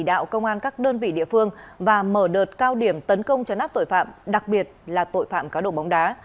đạo công an các đơn vị địa phương và mở đợt cao điểm tấn công chấn áp tội phạm đặc biệt là tội phạm cá độ bóng đá